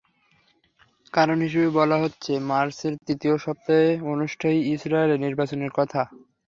কারণ হিসেবে বলা হচ্ছে মার্চের তৃতীয় সপ্তাহে অনুষ্ঠেয় ইসরায়েলের নির্বাচনের কথা।